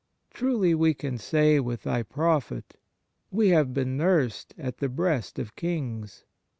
Truly we can say with Thy prophet: "We have been nursed at the breast of Kings."